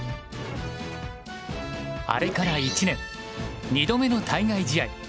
あれから１年２度目の対外試合。